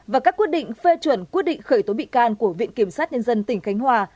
và các quyết định phê chuẩn quyết định khởi tố bị can của viện kiểm sát nhân dân tỉnh khánh hòa